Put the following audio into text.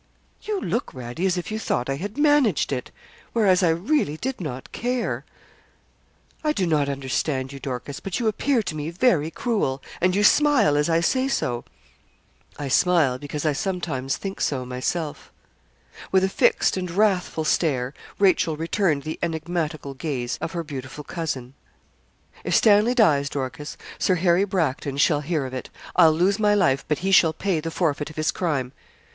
'You look, Radie, as if you thought I had managed it whereas I really did not care.' 'I do not understand you, Dorcas; but you appear to me very cruel, and you smile, as I say so.' 'I smile, because I sometimes think so myself.' With a fixed and wrathful stare Rachel returned the enigmatical gaze of her beautiful cousin. 'If Stanley dies, Dorcas, Sir Harry Bracton shall hear of it. I'll lose my life, but he shall pay the forfeit of his crime.'